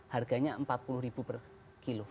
harganya rp empat puluh per kilo